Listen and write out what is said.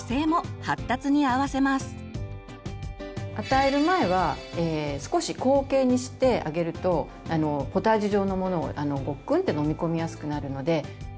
与える前は少し後傾にしてあげるとポタージュ状のものをごっくんって飲み込みやすくなるので。